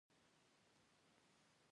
ماشومان مې له ښوونځیو پاتې دي